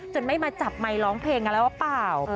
จนไม่มาจับไมค์ร้องเพลงอะไรว่าเปล่า